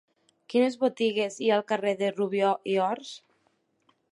Quines botigues hi ha al carrer de Rubió i Ors?